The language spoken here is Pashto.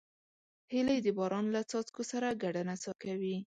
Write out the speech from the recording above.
هیلۍ د باران له څاڅکو سره ګډه نڅا کوي